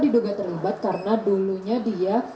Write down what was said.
diduga terlibat karena dulunya dia